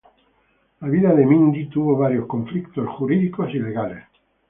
La vida de Mindy tuvo varios conflictos jurídicos y legales.